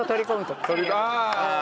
ああ。